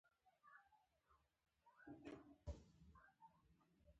احمد اوس د خپل کار سوری پيدا کړ.